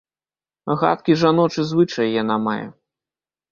Гадкі жаночы звычай яна мае.